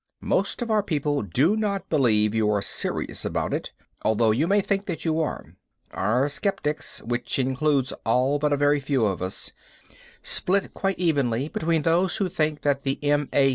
"Most of our people do not believe you are serious about it, although you may think that you are. Our skeptics (which includes all but a very few of us) split quite evenly between those who think that the M. A.